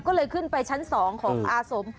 ก็เลยขึ้นไปชั้น๒ของอาสม